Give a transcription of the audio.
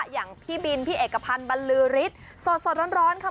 อย่างพี่บินพี่เอกพันธ์บรรลือฤทธิ์สดร้อนค่ะ